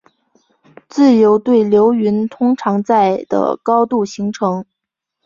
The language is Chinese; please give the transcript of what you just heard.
自由对流云通常在的高度形成。